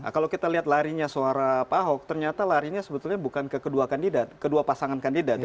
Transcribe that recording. kalau kita lihat larinya suara pak ahok ternyata larinya bukan ke kedua pasangan kandidat